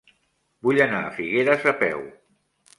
Vull anar a Figueres a peu.